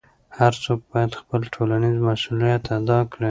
هر څوک باید خپل ټولنیز مسؤلیت ادا کړي.